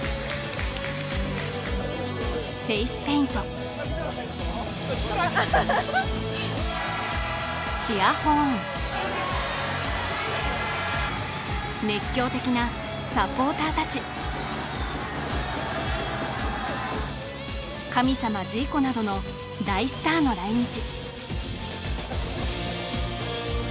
フェイスペイントチアホーン熱狂的なサポーターたち神様ジーコなどの大スターの来日